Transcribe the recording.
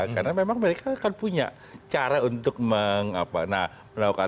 karena memang mereka kan punya cara untuk melakukan